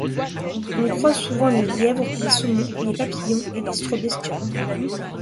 On croise souvent les lièvres, les saumons, les papillons et les autres bestioles.